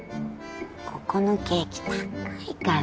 ここのケーキ高いから。